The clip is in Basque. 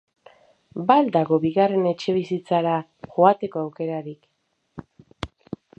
Ba al dago bigarren etxebizitzara joateko aukerarik?